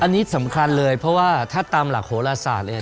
อันนี้สำคัญเลยเพราะว่าถ้าตามหลักโหลศาสตร์เนี่ย